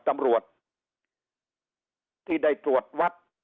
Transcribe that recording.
ตำรวจที่ได้ตรวจวัด